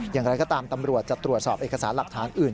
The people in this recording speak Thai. อย่างไรก็ตามตำรวจจะตรวจสอบเอกสารหลักฐานอื่น